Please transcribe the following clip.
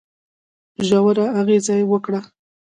ژوره اغېزه وکړه.